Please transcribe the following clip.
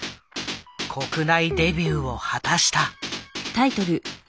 国内デビューを果たした。